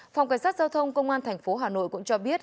phòng cảnh sát giao thông công an thành phố hà nội cũng cho biết